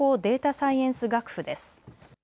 サイエンス学府です。